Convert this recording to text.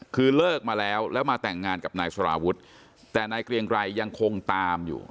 คือเลิกมาแล้วแล้วมาแต่งงานกับนายสารวุฒิแต่นายเกรียงไกรยังคงตามอยู่